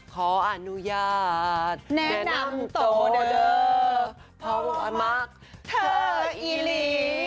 ขออนุญาตแนะนำโตเด้อเพราะว่ามากเธออีหลี